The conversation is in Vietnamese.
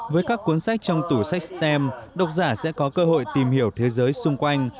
với các cuốn sách trong tủ sách stem độc giả sẽ có cơ hội tìm hiểu thế giới xung quanh